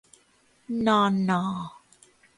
นอ ณอ